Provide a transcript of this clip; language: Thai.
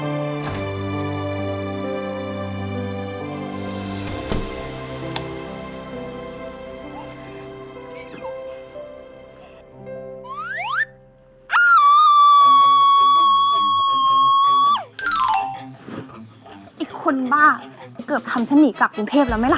อีกคนบ้าเกือบทำฉันหนีกลับกรุงเทพแล้วไหมล่ะ